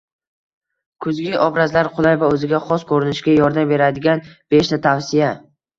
Kuzgi obrazlar qulay va o‘ziga xos ko‘rinishiga yordam beradiganbeshtavsiya